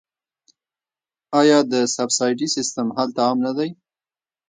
آیا د سبسایډي سیستم هلته عام نه دی؟